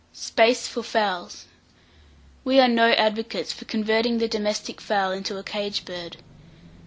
SPACE FOR FOWLS. We are no advocates for converting the domestic fowl into a cage bird.